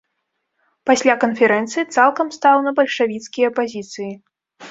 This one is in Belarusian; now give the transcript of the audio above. Пасля канферэнцыі цалкам стаў на бальшавіцкія пазіцыі.